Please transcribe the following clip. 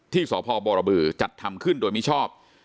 ที่สพบบจัดทำขึ้นโดยมีชอบ